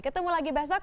ketemu lagi besok